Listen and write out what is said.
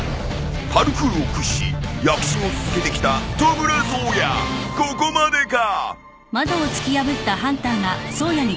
［パルクールを駆使し躍進を続けてきたトムラ颯也ここまでか！？］